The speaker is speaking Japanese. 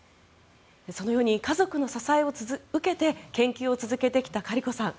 そのように家族の支えを受けて研究を続けてきたカリコさん。